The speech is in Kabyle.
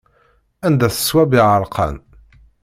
Anda-t ṣṣwab iɛerqan.